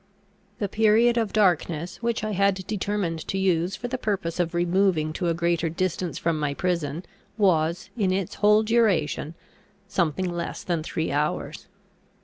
The period of darkness, which I had determined to use for the purpose of removing to a greater distance from my prison, was, in its whole duration, something less than three hours.